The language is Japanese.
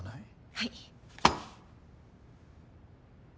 はい。